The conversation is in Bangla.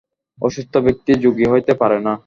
অসুস্থ ব্যক্তি যোগী হইতে পারে না।